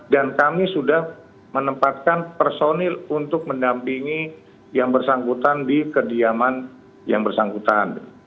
dan kami sudah menempatkan personil untuk mendampingi yang bersangkutan di kediaman yang bersangkutan